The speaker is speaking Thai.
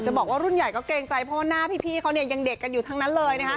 จะบอกว่ารุ่นใหญ่เขาเกรงใจพอหน้าพี่เขายังเด็กกันอยู่ทั้งนั้นเลย